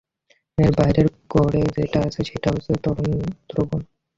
এর বাহিরের কোরে যেটা আছে সেটা হচ্ছে তরল দ্রবণ!